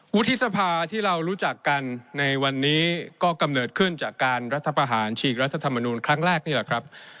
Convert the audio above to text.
วุฒิสภาที่เรารู้จักกันในวันนี้ก็กำเนิดขึ้นจากการรัฐประหารฉีกรัฐธรรมนูลครั้งแรกนี่แหละครับ